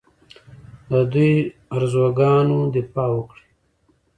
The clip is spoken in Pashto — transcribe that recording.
د دوی ارزوګانو دفاع وکړي